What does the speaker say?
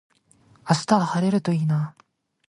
明日は晴れるといいな。